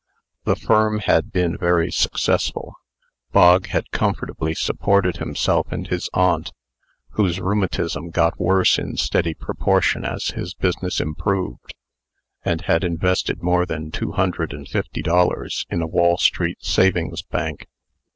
The firm had been very successful. Bog had comfortably supported himself and his aunt (whose rheumatism got worse in steady proportion as his business improved), and had invested more than two hundred and fifty dollars in a Wall street savings bank.